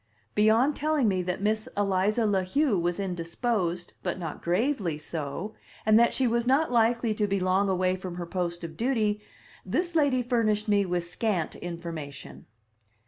Beyond telling me that Miss Eliza La Heu was indisposed, but not gravely so, and that she was not likely to be long away from her post of duty, this lady furnished me with scant information.